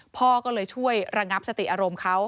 พ่อก็เลยช่วยระงับสติอารมณ์เขา